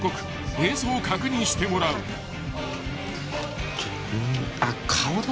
［映像を確認してもらう］あっ。